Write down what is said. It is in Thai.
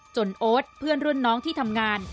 โอ๊ตเพื่อนรุ่นน้องที่ทำงาน